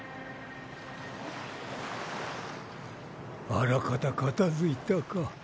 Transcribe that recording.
あらかた片づいたか。